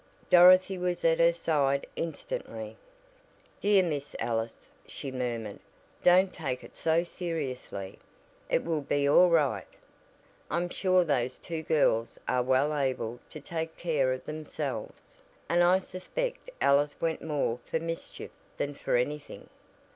Dorothy was at her side instantly. "Dear Miss Ellis," she murmured, "don't take it so seriously. It will be all right. I'm sure those two girls are well able to take care of themselves, and I suspect Alice went more for mischief than for anything.